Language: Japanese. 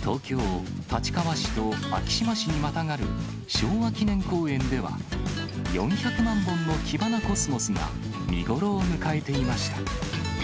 東京・立川市と昭島市にまたがる昭和記念公園では、４００万本のキバナコスモスが見頃を迎えていました。